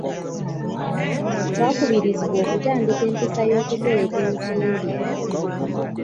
Twakubirizibwa okutandika empisa y'okutereka ensimbi.